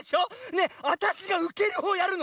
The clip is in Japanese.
ねえわたしがうけるほうやるの？